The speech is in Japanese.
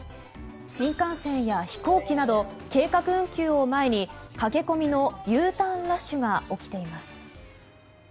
新幹線や飛行機など駆け込みのＵターンラッシュが起きています。